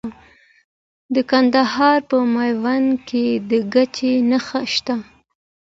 د کندهار په میوند کې د ګچ نښې شته.